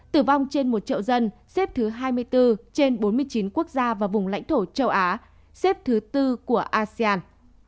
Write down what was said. tử vong trên một triệu dân xếp thứ hai mươi bốn trên bốn mươi chín quốc gia và vùng lãnh thổ châu á xếp thứ tư của asean